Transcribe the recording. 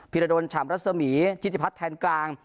รดลฉ่ำรัศมีทิติพัฒน์แทนกลาง